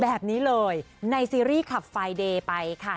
แบบนี้เลยในซีรีส์ขับไฟเดย์ไปค่ะ